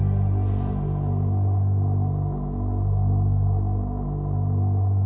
laura dan alexander vivekan kesad invisibely